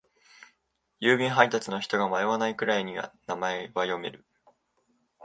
郵便配達の人が迷わないくらいには名前は読める。